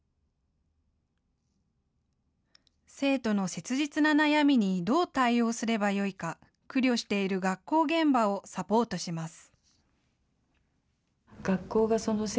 生徒の切実な悩みにどう対応すればよいか苦慮している学校現場をサポートします。